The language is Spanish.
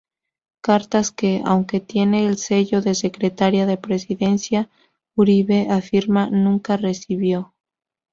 Cartas que, aunque tienen el sello de secretaria de presidencia, Uribe afirma nunca recibió.